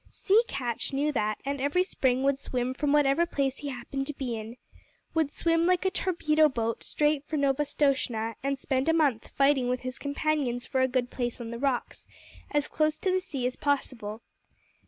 Sea Catch knew that, and every spring would swim from whatever place he happened to be in would swim like a torpedo boat straight for Novastoshnah and spend a month fighting with his companions for a good place on the rocks, as close to the sea as possible.